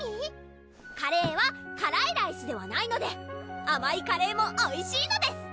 カレーはカライライスではないのであまいカレーもおいしいのです！